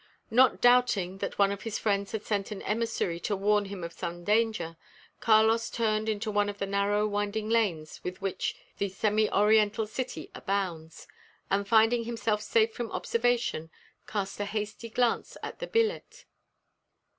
Not doubting that one of his friends had sent an emissary to warn him of some danger, Carlos turned into one of the narrow winding lanes with which the semi oriental city abounds, and finding himself safe from observation, cast a hasty glance at the billet.